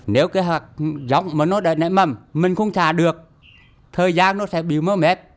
nếu cái hạt giống mà nó đã nảy mầm mình không thả được thời gian nó sẽ bị mất mét